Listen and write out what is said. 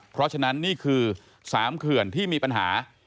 เพราะฉะนั้นนี่คือ๓เขื่อนที่มีปัญหา